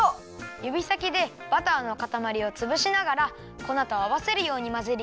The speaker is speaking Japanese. ゆびさきでバターのかたまりをつぶしながらこなとあわせるようにまぜるよ。